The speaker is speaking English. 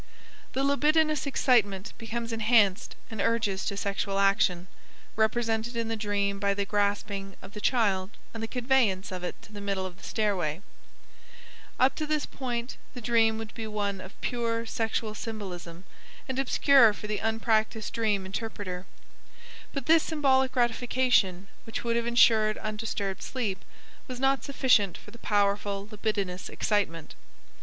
The libidinous excitement becomes enhanced and urges to sexual action (represented in the dream by the grasping of the child and the conveyance of it to the middle of the stairway). Up to this point the dream would be one of pure, sexual symbolism, and obscure for the unpracticed dream interpreter. But this symbolic gratification, which would have insured undisturbed sleep, was not sufficient for the powerful libidinous excitement.